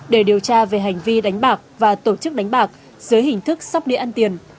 để điều tra về hành vi đánh bạc và tổ chức đánh bạc dưới hình thức sóc đĩa ăn tiền